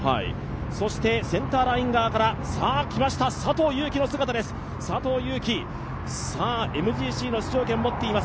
そしてセンターライン側からきました、佐藤悠基の姿です、ＭＧＣの出場権を持っています。